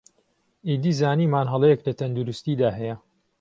ئیدی زانیمان هەڵەیەک لە تەندروستیدا هەیە